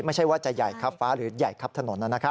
ไม่ใช่ว่าจะใหญ่ครับฟ้าหรือใหญ่ครับถนน